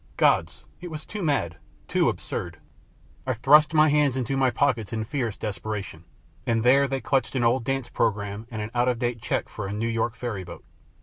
Gods, it was too mad, too absurd! I thrust my hands into my pockets in fierce desperation, and there they clutched an old dance programme and an out of date check for a New York ferry boat.